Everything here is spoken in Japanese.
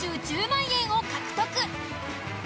１０万円を獲得！